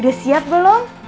udah siap belum